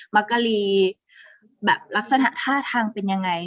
ักกะลีแบบลักษณะท่าทางเป็นยังไง